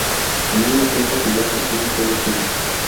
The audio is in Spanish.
Tenía una punta afilada y un solo filo.